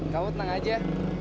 kamu tenang aja